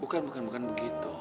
bukan bukan bukan begitu